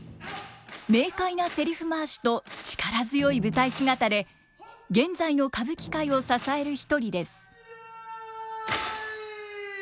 明快なせりふ回しと力強い舞台姿で現在の歌舞伎界を支える一人です。